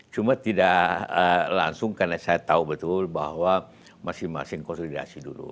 cuma tidak langsung karena saya tahu betul bahwa masing masing konsolidasi dulu